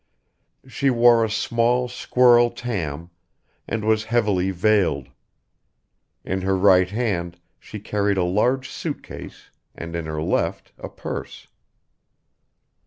She wore a small squirrel tam, and was heavily veiled. In her right hand she carried a large suit case and in her left a purse.